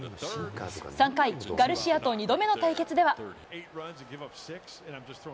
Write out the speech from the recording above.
３回、ガルシアと２度目の対決では。